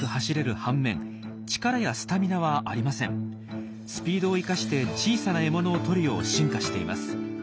そもそもスピードを生かして小さな獲物をとるよう進化しています。